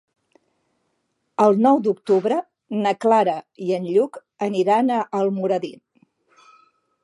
El nou d'octubre na Clara i en Lluc aniran a Almoradí.